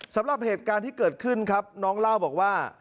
สำหรับเหตุการณ์ที่เกิดขึ้นครับน้องเล่าบอกว่า